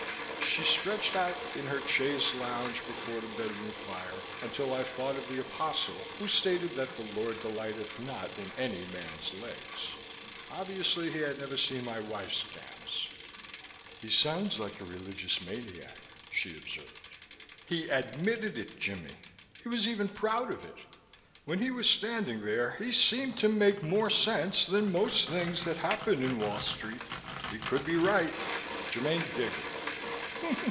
She stretched out in her chaise longue before the bedroom fire until I thought of the Apostle who stated that the Lord delighteth not in any man's legs. Obviously, he had never seen my wife's gams. "He sounds like a religious maniac," she observed. "He admitted it, Jimmie. He was even proud of it. When he was standing there he seemed to make more sense than most things that happen in Wall Street. He could be right." Germaine giggled.